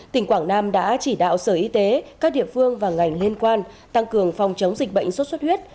tỉnh quảng nam đã chỉ đạo sở y tế các địa phương và ngành liên quan tăng cường phòng chống dịch bệnh sốt xuất huyết